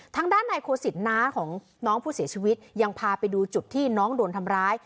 ทางด้านนายโคสิตน้าของน้องผู้เสียชีวิตยังพาไปดูจุดที่น้องโดนทำร้าย